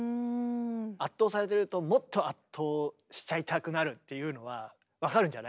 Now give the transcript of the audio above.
圧倒されてるともっと圧倒しちゃいたくなるっていうのは分かるんじゃない？